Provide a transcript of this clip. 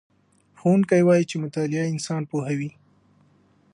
ښوونکی وایي چې مطالعه انسان پوهوي.